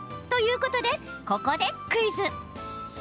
ということで、ここでクイズ。